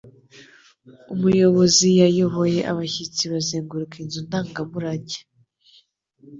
Umuyobozi yayoboye abashyitsi bazenguruka inzu ndangamurage.